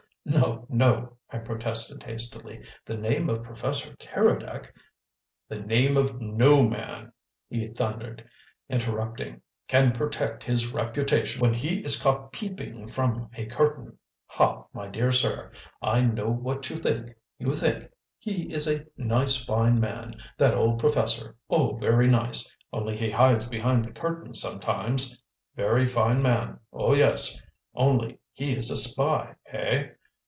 "No, no," I protested hastily. "The name of Professor Keredec " "The name of NO man," he thundered, interrupting, "can protect his reputation when he is caught peeping from a curtain! Ha, my dear sir! I know what you think. You think, 'He is a nice fine man, that old professor, oh, very nice only he hides behind the curtains sometimes! Very fine man, oh, yes; only he is a spy.' Eh?